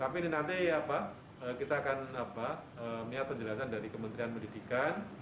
tapi nanti kita akan menyiapkan penjelasan dari kementerian pendidikan